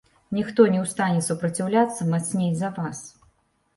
Ніхто не ў стане супраціўляцца мацней за вас.